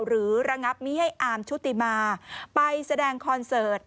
ระงับมิให้อาร์มชุติมาไปแสดงคอนเสิร์ต